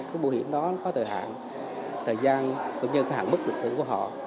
cái bảo hiểm đó có thời hạn thời gian cũng như cái hạn mức lực lượng của họ